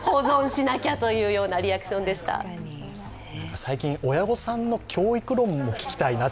最近、親御さんの教育論も聞きたいなと。